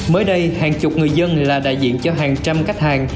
mới đây hàng chục người dân là đại diện cho hàng trăm khách hàng